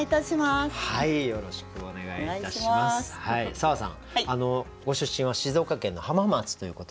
砂羽さんご出身は静岡県の浜松ということで。